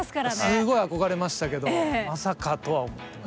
すごい憧れましたけどまさかとは思ってます。